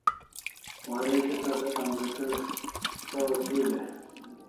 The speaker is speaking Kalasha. Waresho tasa computer sawuz hiu e?